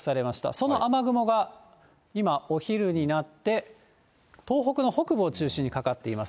その雨雲が今、お昼になって東北の北部を中心にかかっています。